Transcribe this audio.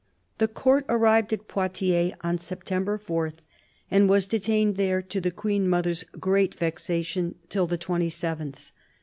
__The Court arrived at Poitiers on September 4, and was detained there, to the Queen mother's great vexation, till the 27th.